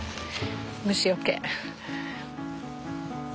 虫よけ。